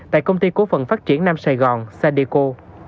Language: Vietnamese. tại công ty cố phần phát triển nam sài gòn sadeco